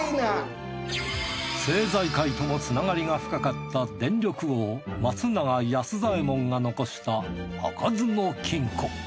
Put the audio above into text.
政財界ともつながりが深かった電力王松永安左エ門が残した開かずの金庫。